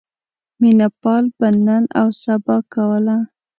مینه پال به نن اوسبا کوله.